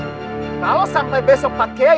kalau sampai besok pak kiai